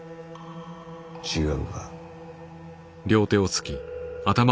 違うか？